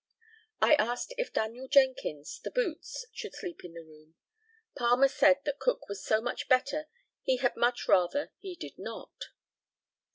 I asked if Daniel Jenkins, the boots, should sleep in the room. Palmer said, that Cook was so much better he had much rather he did not.